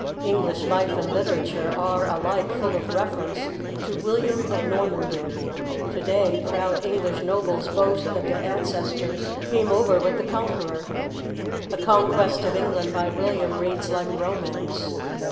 English life and literature are alike full of reference to William of Normandy; to day proud English nobles boast that their ancestors came over with the Con queror. The conquest of England by William reads like romance.